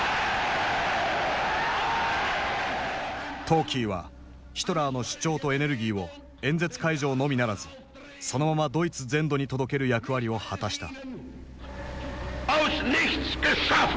トーキーはヒトラーの主張とエネルギーを演説会場のみならずそのままドイツ全土に届ける役割を果たした。